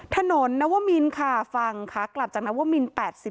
ถนนนัววมินค่ะฟังค่ะกลับจากนัววมิน๘๗